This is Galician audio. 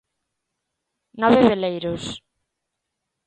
Nove veleiros.